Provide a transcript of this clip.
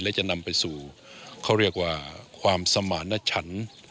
และจะนำไปสู่ความสมาณชัน